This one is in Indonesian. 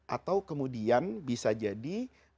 atau kemudian bisa jadi